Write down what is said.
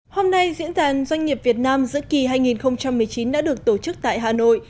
hôm nay diễn đàn doanh nghiệp việt nam giữa kỳ hai nghìn một mươi chín đã được tổ chức tại hà nội